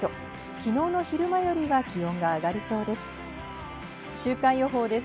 昨日の昼間よりは気温が上がりそうです。